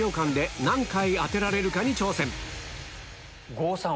郷さん